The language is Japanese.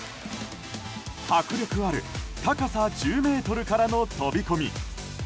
迫力ある高さ１０ｍからの飛込。